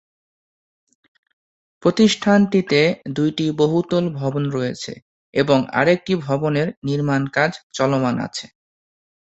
প্রতিষ্ঠানটিতে দুইটি বহুতল ভবন রয়েছে এবং আরেকটি ভবনের নির্মাণকাজ চলমান আছে।